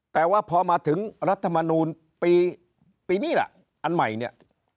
แต่ว่าพอมาถึงรัฐมนูลปีนี้ล่ะอันใหม่เนี่ย